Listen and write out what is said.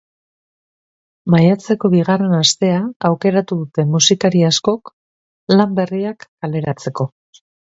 Maiatzeko bigarren astea aukeratu dute musikari askok lan berriak kaleratzeko.